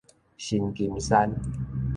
新金山